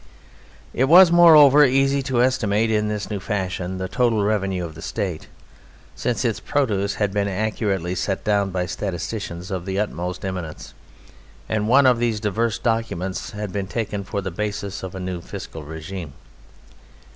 It was, moreover, easy to estimate in this new fashion the total revenue of the State, since its produce had been accurately set down by statisticians of the utmost eminence, and one of these diverse documents had been taken for the basis of the new fiscal regime.